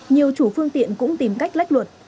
nhiều chủ phương tiện cũng tìm cách lách luật